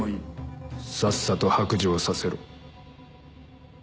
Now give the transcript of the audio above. さっさと白状させろ。